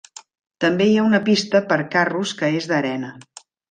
També hi ha una pista per carros que és d'arena.